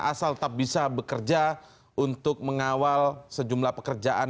asal tetap bisa bekerja untuk mengawal sejumlah pekerjaan